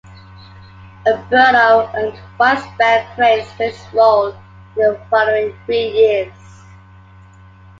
Umberto earned widespread praise for his role in the following three years.